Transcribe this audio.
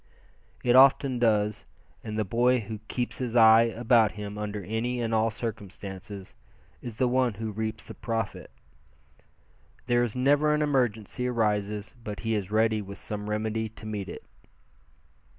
It often does, and the boy who keeps his eyes about him under any and all circumstances, is the one who reaps the profit. There is never an emergency arises but he is ready with some remedy to meet it.